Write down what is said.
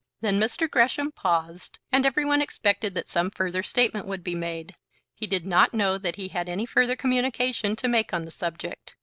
Then Mr. Gresham paused, and every one expected that some further statement would be made. "He did not know that he had any further communication to make on the subject.